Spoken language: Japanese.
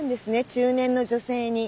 中年の女性に。